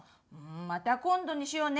また今度にしようね！